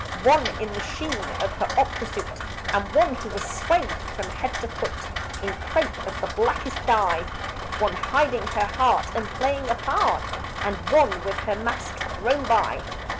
One in the sheen of her opera suit; And one who was swathed from head to foot, In crepe of the blackest dye. One hiding her heart and playing a part, And one with her mask thrown by.